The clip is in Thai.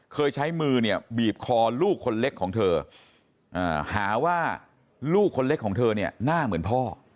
เคยใช้มือเนี่ยบีบคอลูกคนเล็กของเธอหาว่าลูกคนเล็กของเธอเนี่ยหน้าเหมือนพ่อ